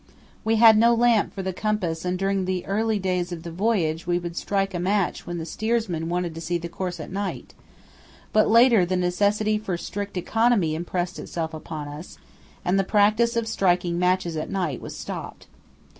We had no lamp for the compass and during the early days of the voyage we would strike a match when the steersman wanted to see the course at night; but later the necessity for strict economy impressed itself upon us, and the practice of striking matches at night was stopped.